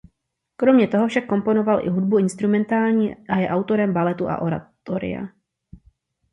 Kromě toho však komponoval i hudbu instrumentální a je autorem baletu a oratoria.